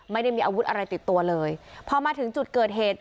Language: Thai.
ไม่ได้มีอาวุธอะไรติดตัวเลยพอมาถึงจุดเกิดเหตุ